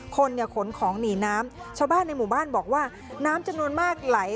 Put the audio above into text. คนเนี่ยขนของหนีน้ำชาวบ้านในหมู่บ้านบอกว่าน้ำจำนวนมากไหล